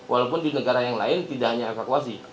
walaupun di negara yang lain tidak hanya evakuasi